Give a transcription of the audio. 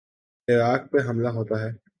عراق پہ حملہ ہوتا ہے۔